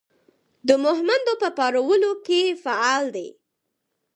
د مهمندو په پارولو کې فعال دی.